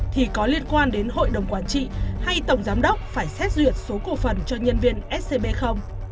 thì có liên quan đến hội đồng quản trị hay tổng giám đốc phải xét duyệt số cổ phần cho nhân viên scb không